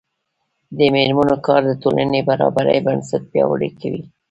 د میرمنو کار د ټولنې برابرۍ بنسټ پیاوړی کوي.